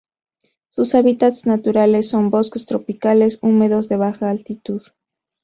Sus hábitats naturales son: bosques tropicales húmedos de baja altitud.